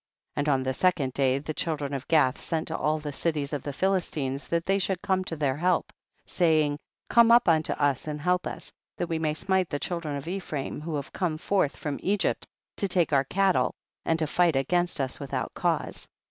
12. And on the second day the children of Gath sent to all the cities of the Philistines that they should come to their help, saying, 13. Come up unto us and help us, that we may smite the children of Ephraim who have come forth from Egypt to take our cattle, and to fight against us without cause.